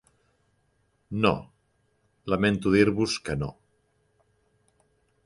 No, lamento dir-vos que no.